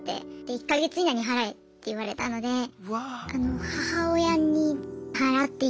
１か月以内に払えって言われたのであの母親に払ってもらって。